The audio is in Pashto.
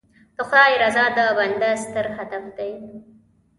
د خدای رضا د بنده ستر هدف دی.